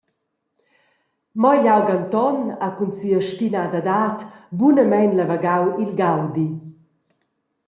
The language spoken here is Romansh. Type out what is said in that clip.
Mo igl aug Anton ha cun sia stinadadad bunamein lavagau il gaudi.